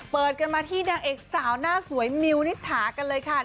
เปิดกันมาที่นางเอกสาวหน้าสวยมิวนิษฐากันเลยค่ะ